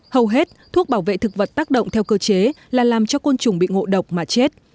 hầu hết thuốc bảo vệ thực vật tác động theo cơ chế là làm cho côn trùng bị ngộ độc mà chết